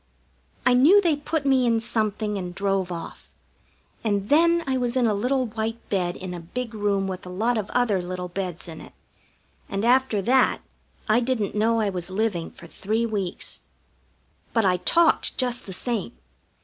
I knew they put me in something and drove off, and then I was in a little white bed in a big room with a lot of other little beds in it; and after that I didn't know I was living for three weeks. But I talked just the same.